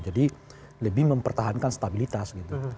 jadi lebih mempertahankan stabilitas gitu